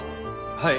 はい。